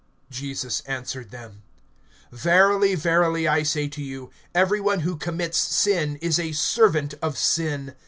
(34)Jesus answered them: Verily, verily, I say to you, every one who commits sin is a servant of sin.